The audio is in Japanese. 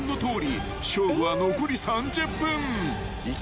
［勝負は残り３０分］